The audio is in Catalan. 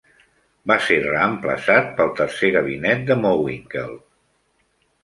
Va ser reemplaçat pel tercer gabinet de Mowinckel.